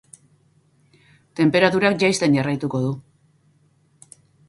Tenperaturak jaisten jarraituko du.